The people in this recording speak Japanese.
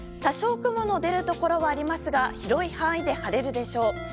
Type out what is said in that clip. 多少雲の出るところはありますが広い範囲で晴れるでしょう。